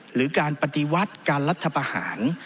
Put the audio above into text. หรือการปฏิวัติการรัฐประหาร